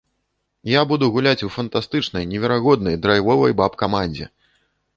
Я буду гуляць у фантастычнай, неверагоднай, драйвовай баб-камандзе.